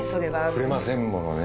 振れませんものね。